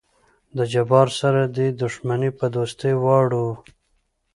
د جبار سره دې دښمني په دوستي واړو.